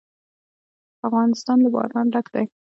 افغانستان له باران ډک دی.